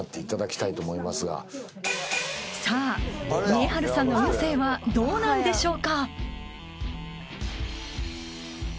［さあ見栄晴さんの運勢はどうなんでしょうか？］